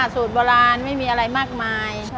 สูตรโบราณไม่มีอะไรมากมาย